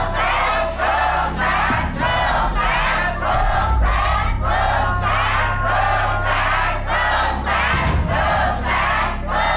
หัวเท้าหัวเท้าหัวเท้า